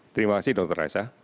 terima kasih dr raisa